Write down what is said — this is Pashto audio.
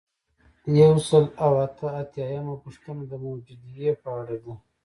یو سل او اته اتیایمه پوښتنه د موجودیې په اړه ده.